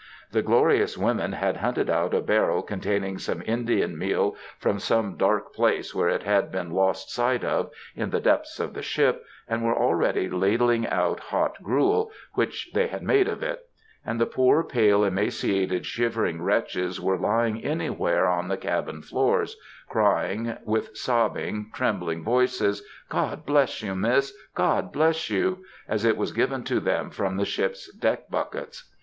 The glorious women had hunted out a barrel containing some Indian meal from some dark place where it had been lost sight of, in the depths of the ship, and were already ladling out hot gruel, which they had made of it; and the poor, pale, emaciated, shivering wretches were lying anywhere, on the cabin floors, crying with sobbing, trembling voices, "God bless you, Miss! God bless you!" as it was given to them from the ship's deck buckets.